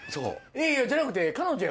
いやいやじゃなくて。